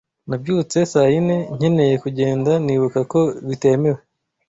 Nabyutse saa yine, nkeneye kugenda nibuka ko bitemewe.